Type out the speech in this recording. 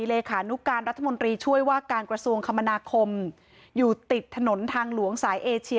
เลขานุการรัฐมนตรีช่วยว่าการกระทรวงคมนาคมอยู่ติดถนนทางหลวงสายเอเชีย